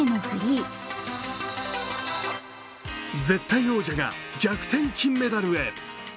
絶対王者が逆転金メダルへ。